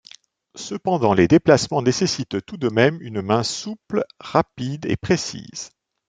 Cependant, les déplacements nécessitent tout de même une main souple, rapide et précise.